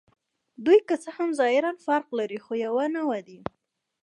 دوی که څه هم ظاهراً فرق لري، خو یوه نوعه دي.